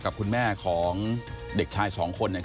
กับคุณแม่ของเด็กชาย๒คน